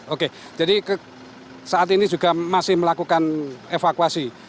oke jadi saat ini juga masih melakukan evakuasi